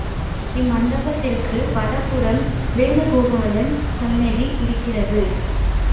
இம்மண்டபத்திற்கு வடபுறம் வேணுகோபாலன் சந்நிதி இருக்கிறது.